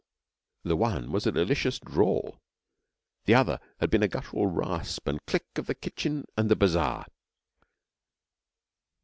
The one was a delicious drawl; the other had been the guttural rasp and click of the kitchen and the bazaar.